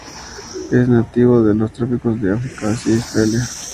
Es nativo de los trópicos de África, Asia y Australia.